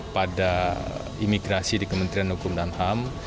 pada imigrasi di kementerian hukum dan ham